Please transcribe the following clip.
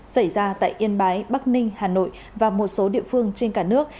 xảy ra tại yên bái bắc ninh hà nội và một số địa phương trên cả nước